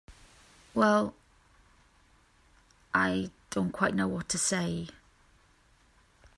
Well—I don't quite know what to say.